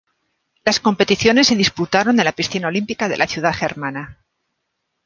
Las competiciones se disputaron en la Piscina Olímpica de la ciudad germana.